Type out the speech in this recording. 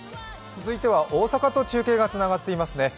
続いては大阪と中継がつながっています。